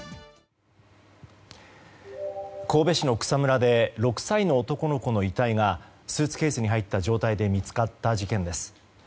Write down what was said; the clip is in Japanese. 神戸市の草むらで６歳の男の子の遺体がスーツケースに入った状態で見つかった事件です。